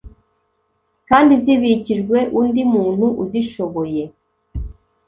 kandi zibikijwe undi muntu uzishoboye